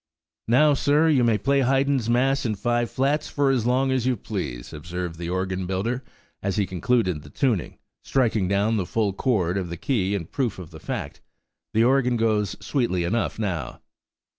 ... "Now, sir, you may play Haydn's Mass in five flats for as long as you please," observed the organ builder, as he concluded the tuning, striking down the full chord of the key in proof of the fact: "The organ goes sweetly enough now."